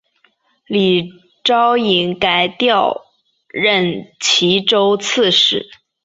李朝隐改调任岐州刺史。